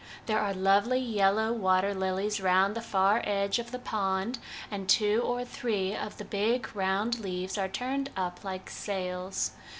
There are lovely yellow water lilies round the far edge of the pond, and two or three of the big round leaves are turned up like sails.